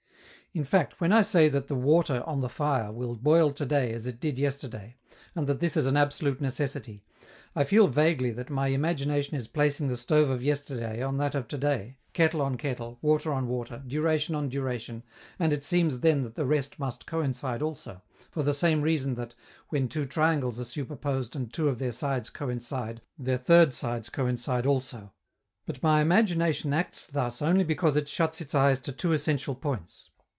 In fact, when I say that the water on the fire will boil to day as it did yesterday, and that this is an absolute necessity, I feel vaguely that my imagination is placing the stove of yesterday on that of to day, kettle on kettle, water on water, duration on duration, and it seems then that the rest must coincide also, for the same reason that, when two triangles are superposed and two of their sides coincide, their third sides coincide also. But my imagination acts thus only because it shuts its eyes to two essential points.